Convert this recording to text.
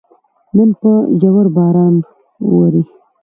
نن په ژوژ باران ووري